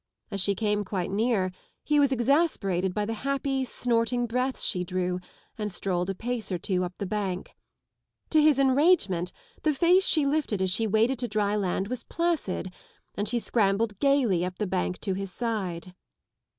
As she came quite near he was exasperated by the happy, snorting breaths she drew, and strolled a pace or two up the bank. To his enragement the face she lifted as she waded to dry land was placid, and she scrambled gaily up the bank to his side.